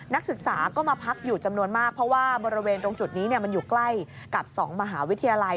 นักศึกษาก็มาพักอยู่จำนวนมากเพราะว่าบริเวณตรงจุดนี้มันอยู่ใกล้กับ๒มหาวิทยาลัย